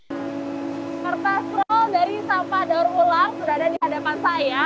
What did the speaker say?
kertas proll dari sampah daur ulang sudah ada di hadapan saya